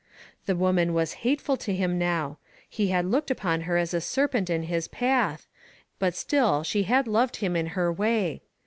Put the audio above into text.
The woman was hateful to him now ; he had looked upon her as a serpent in his path, but still she had loved him in her way.